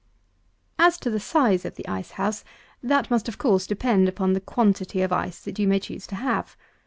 250. As to the size of the ice house, that must, of course, depend upon the quantity of ice that you may choose to have.